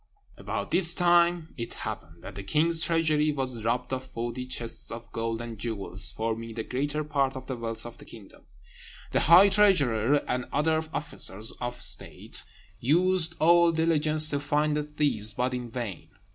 About this time it happened that the king's treasury was robbed of forty chests of gold and jewels, forming the greater part of the wealth of the kingdom. The high treasurer and other officers of state used all diligence to find the thieves, but in vain.